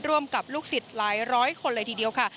ร่วมกับลูกศิษย์หลายร้อยคนเลยทีเดียวค่ะ